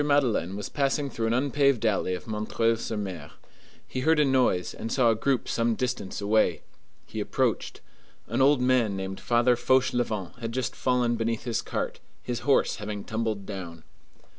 Madeleine was passing through an unpaved alley of M. sur M.; he heard a noise, and saw a group some distance away. He approached. An old man named Father Fauchelevent had just fallen beneath his cart, his horse having tumbled down.